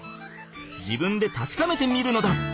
自分でたしかめてみるのだ！